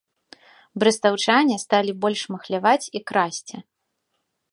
Брэстаўчане сталі больш махляваць і красці.